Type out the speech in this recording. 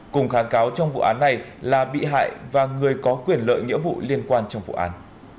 cùng kháng cáo trong vụ án này là bị hại và người có quyền lợi nghĩa vụ liên quan trong vụ án